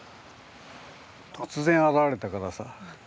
突然現れたからさ。